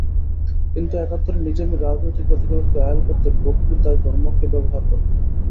কিন্তু একাত্তরে নিজামী রাজনৈতিক প্রতিপক্ষকে ঘায়েল করতে বক্তৃতায় ধর্মকে ব্যবহার করতেন।